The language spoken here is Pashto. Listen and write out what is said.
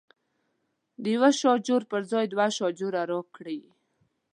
د یوه شاجور پر ځای دوه شاجوره راکړي.